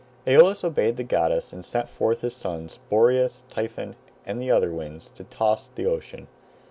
Aeolus obeyed the goddess and sent forth his sons, Boreas, Typhon, and the other winds, to toss the ocean.